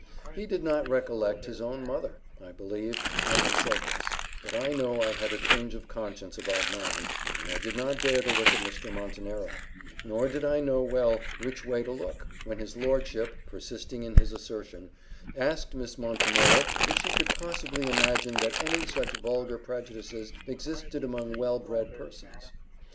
He did not recollect his own mother, I believe, when he said this; but I know I had a twinge of conscience about mine, and I did not dare to look at Mr. Montenero; nor did I know well which way to look, when his lordship, persisting in his assertion, asked Miss Montenero if she could possibly imagine that any such vulgar prejudices existed among well bred persons.